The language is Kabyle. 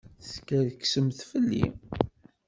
Teskerksemt fell-i.